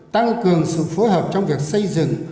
tăng cường sự phối hợp trong việc xây dựng